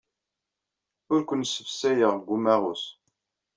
Ur ken-ssefsayeɣ deg umaɣus.